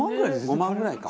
「５万ぐらいか」